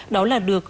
đó là được đoán